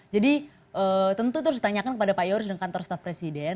jadi tentu itu harus ditanyakan kepada pak yoris dan kantor staf presiden